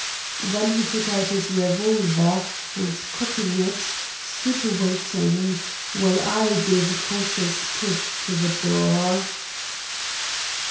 Then he took out his revolver, and cocking it, stood waiting, while I gave a cautious push to the door.